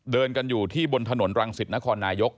เดินกันอยู่ที่บนถนนรังสิตนครนายก